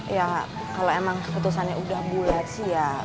ya kalau emang keputusannya udah bulat sih ya